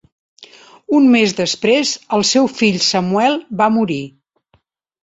Un mes després, el seu fill Samuel va morir.